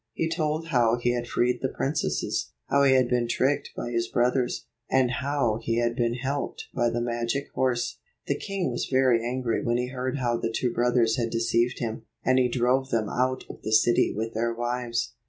He told how he had freed the princesses, how he had been tricked by his brothers, and how he had been helped by the magic horse. The king was very angry when he heard how the two brothers had deceived him, and he drove them out of the city with their wives.